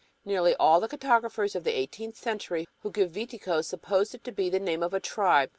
Nearly all the cartographers of the eighteenth century who give "Viticos" supposed it to be the name of a tribe, e.